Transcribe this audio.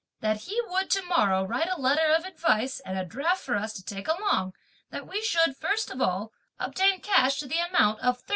That he would to morrow write a letter of advice and a draft for us to take along, and that we should, first of all, obtain cash to the amount of Tls.